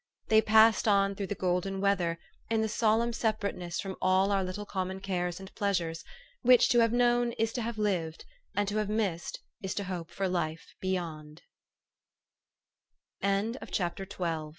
They passed on through the golden weather, in the solemn separ ate ness from all our little common cares and pleasures, which to have known is to have lived, and to have missed is to hope f